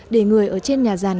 để người ở trên nhà giàn